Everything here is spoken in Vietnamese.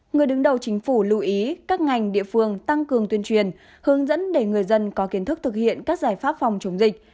người đứng đầu chính phủ lưu ý các ngành địa phương tăng cường tuyên truyền hướng dẫn để người dân có kiến thức thực hiện các giải pháp phòng chống dịch